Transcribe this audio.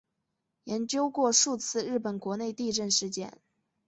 研究过数次日本国内地震事件。